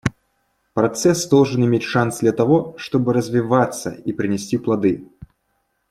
Процесс должен иметь шанс для того, чтобы развиваться и принести плоды.